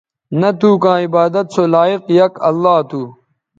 نہ تھو کاں عبادت سو لائق یک اللہ تھو